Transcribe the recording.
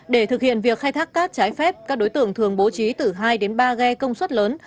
để thực hiện việc khai thác cát trái phép các đối tượng thường bố trí từ hai đến ba ghe công suất lớn